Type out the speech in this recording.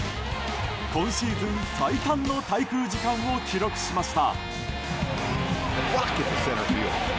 今シーズン最短の滞空時間を記録しました。